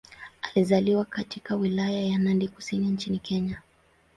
Alizaliwa katika Wilaya ya Nandi Kusini nchini Kenya.